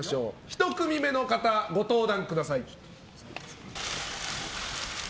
１組目の方、ご登壇ください。